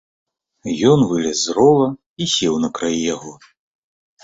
Ён вылез з рова і сеў на краі яго.